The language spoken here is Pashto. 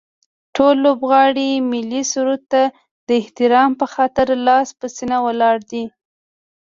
ټول لوبغاړي ملي سرود ته د احترام به خاطر لاس په سینه ولاړ دي